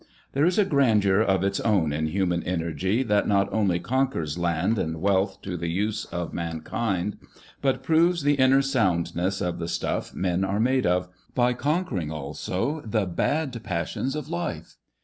There is a grandeur of its own in human energy that not only conquers land and wealth to the use of mankind, but proves the inner soundness of the stuff men are made of, by conquering also the bad passions of life.